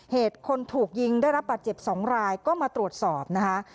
เหตุคนถูกยิงได้รับบาดเจ็บ๒รายก็มาตรวจสอบนะคะ